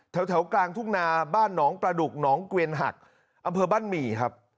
แถวกลางทุ่งนาบ้านหนองประดุกหนองเกวียนหักอำเภอบ้านหมี่ครับ